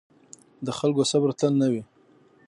د خلکو صبر تل نه وي